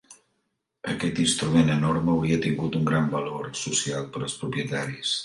Aquest instrument enorme hauria tingut un gran valor social per als propietaris.